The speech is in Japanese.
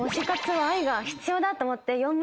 だと思って。